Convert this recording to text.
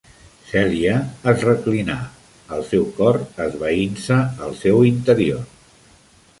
Cèlia es reclinà, el seu cor esvaint-se al seu interior.